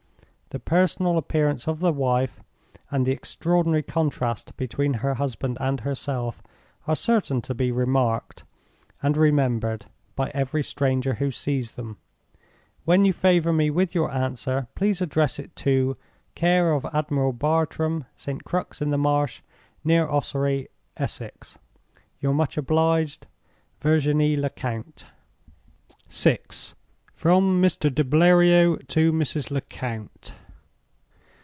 The personal appearance of the wife, and the extraordinary contrast between her husband and herself, are certain to be remarked, and remembered, by every stranger who sees them. "When you favor me with your answer, please address it to 'Care of Admiral Bartram, St. Crux in the Marsh, near Ossory, Essex'. "Your much obliged, "VIRGINIE LECOUNT." VI. From Mr. de Bleriot to Mrs. Lecount.